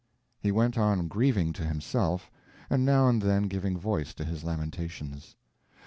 He went on grieving to himself, and now and then giving voice to his lamentations.